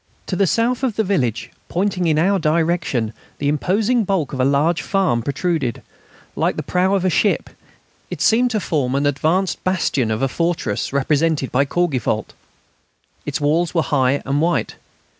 To the south of the village, pointing in our direction, the imposing bulk of a large farm protruded, like the prow of a ship. It seemed to form an advanced bastion of a fortress, represented by Courgivault. Its walls were high and white.